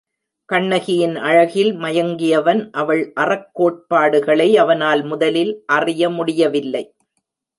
கண்ணகியின் அழகில் மயங்கியவன் அவள் அறக் கோட்பாடுகளை அவனால் முதலில் அறிய முடியவில்லை.